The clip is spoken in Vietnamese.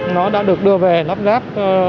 nó đã được đưa về lắp ráp